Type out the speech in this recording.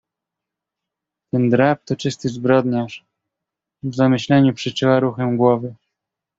"Ten drab to czysty zbrodniarz.“ W zamyśleniu przeczyła ruchem głowy."